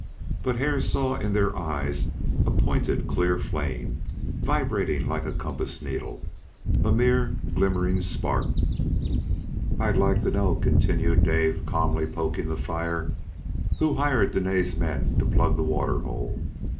But Hare saw in their eyes a pointed clear flame, vibrating like a compass needle, a mere glimmering spark. "I'd like to know," continued Dave, calmly poking the fire, "who hired Dene's men to plug the waterhole.